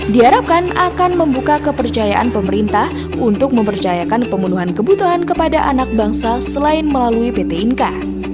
diharapkan akan membuka kepercayaan pemerintah untuk mempercayakan pemenuhan kebutuhan kepada anak bangsa selain melalui pt inka